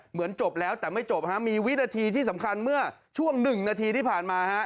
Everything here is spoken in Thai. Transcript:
จบแล้วแต่ไม่จบฮะมีวินาทีที่สำคัญเมื่อช่วงหนึ่งนาทีที่ผ่านมาฮะ